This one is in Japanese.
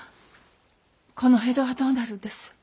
この江戸はどうなるんです？